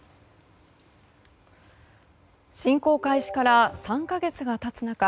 侵攻開始から３か月が経つ中